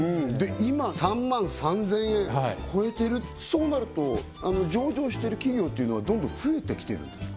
今３万３０００円超えてるそうなると上場してる企業っていうのはどんどん増えてきてるんですか？